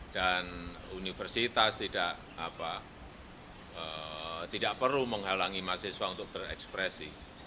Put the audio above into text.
dan universitas tidak perlu menghalangi mahasiswa untuk berekspresi